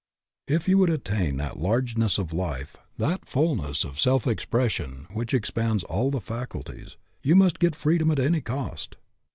If you would attain that largeness of life, that fulness of self expression, which expands all the faculties, you must get freedom at any cost.